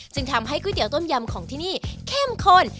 จึงทำให้ก๋วยเตี๋ยต้มยำของที่นี่เข้มข้น